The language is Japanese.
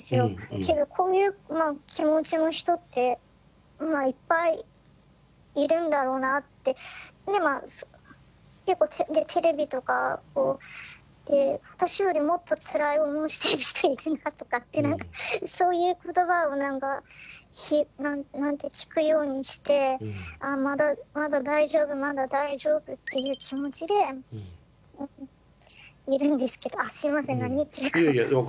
けどこういう気持ちの人っていっぱいいるんだろうなってでまあ結構テレビとかで私よりもっとつらい思いしてる人いるなとかってそういう言葉を聞くようにしてああまだ大丈夫まだ大丈夫っていう気持ちでいるんですけどあすみません何言ってるか。